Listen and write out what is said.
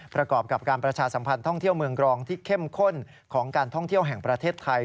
ประกอบกับการประชาสัมพันธ์ท่องเที่ยวเมืองกรองที่เข้มข้นของการท่องเที่ยวแห่งประเทศไทย